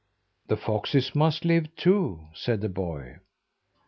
"The foxes must live, too," said the boy.